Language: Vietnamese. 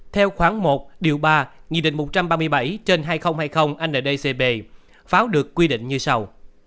theo khoảng một ba một trăm ba mươi bảy trên hai nghìn hai mươi ndcp pháo được quy định như sau